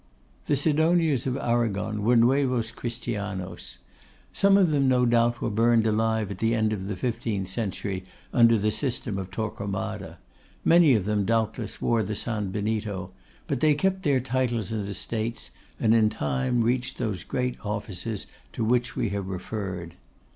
The Sidonias of Arragon were Nuevos Christianos. Some of them, no doubt, were burned alive at the end of the fifteenth century, under the system of Torquemada; many of them, doubtless, wore the San Benito; but they kept their titles and estates, and in time reached those great offices to which we have referred.